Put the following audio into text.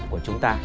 của chúng ta